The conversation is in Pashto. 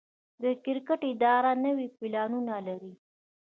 د کرکټ اداره نوي پلانونه لري.